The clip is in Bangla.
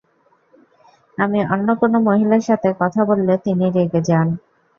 আমি অন্য কোনো মহিলার সাথে কথা বললে তিনি রেগে যান।